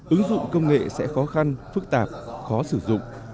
ứng dụng công nghệ sẽ khó khăn phức tạp khó sử dụng